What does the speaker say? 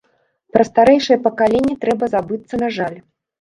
Пра старэйшае пакаленне трэба забыцца, на жаль.